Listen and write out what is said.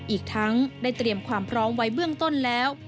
อีกทั้งได้เตรียมความพร้อมไว้เบื้องต้นแล้ว